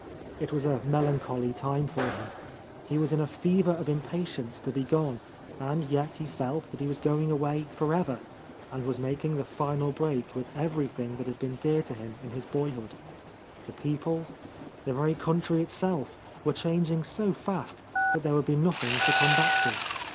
It was a melancholy time for him. He was in a fever of impatience to be gone, and yet he felt that he was going away forever, and was making the final break with everything that had been dear to him in his boyhood. The peo ple, the very country itself, were changing so fast that there would be nothing to come back to.